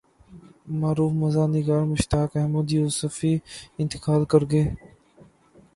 معروف مزاح نگار مشتاق احمد یوسفی انتقال کرگئے